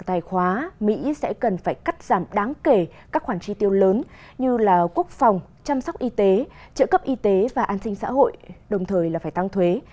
tài khoá mỹ sẽ cần phải cắt giảm đáng kể các khoản tri tiêu lớn như quốc phòng chăm sóc y tế trợ cấp y tế và an sinh xã hội đồng thời tăng thuế